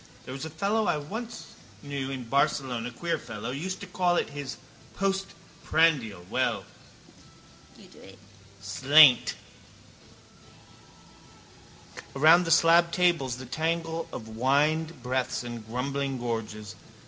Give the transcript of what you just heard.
There was a fellow I knew once in Barcelona, queer fellow, used to call it his postprandial. Well: slainte! Around the slabbed tables the tangle of wined breaths and grumbling gorges.